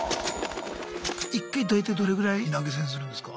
１回大体どれぐらい投げ銭するんですか？